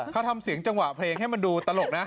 เขาทำเสียงจังหวะเพลงให้มันดูตลกนะ